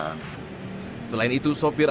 selain itu sopir ambulans tersebut juga diperiksa